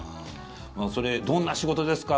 それ、どんな仕事ですか？